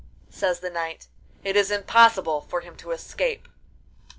says the knight; 'it is impossible for him to escape.